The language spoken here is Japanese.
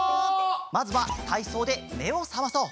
まずはたいそうでめをさまそう。